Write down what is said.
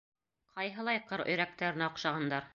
— Ҡайһылай ҡыр өйрәктәренә оҡшағандар!